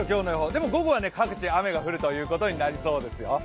でも、午後は各地雨が降るということになりそうですよ。